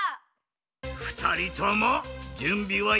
ふたりともじゅんびはよいかドン？